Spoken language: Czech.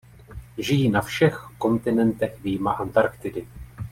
Žijí na všech kontinentech vyjma Antarktidy.